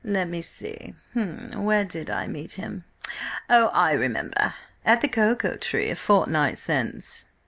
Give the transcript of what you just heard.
Let me see–where did I meet him? Oh, I remember! At the Cocoa Tree, a fortnight since."